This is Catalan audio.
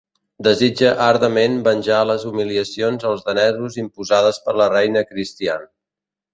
Desitja ardentment venjar les humiliacions als danesos imposades per la reina Cristian.